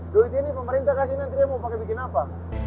duit ini pemerintah kasih nanti dia mau pakai bikin apa